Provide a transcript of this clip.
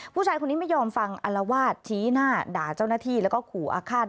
ผู้ชายคนนี้ไม่ยอมฟังอลวาดชี้หน้าด่าเจ้าหน้าที่แล้วก็ขู่อาฆาต